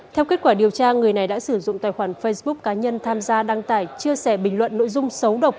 theo kết quả điều tra người này đã sử dụng tài khoản facebook cá nhân tham gia đăng tải chia sẻ bình luận nội dung xấu độc